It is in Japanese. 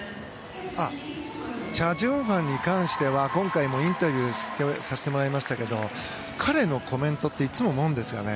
チャ・ジュンファンに関しては今回もインタビューさせてもらいましたけど彼のコメントっていつも思うんですよね。